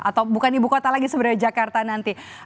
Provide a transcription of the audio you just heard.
atau bukan ibu kota lagi sebenarnya jakarta nanti